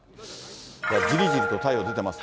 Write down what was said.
じりじりと太陽出てますね。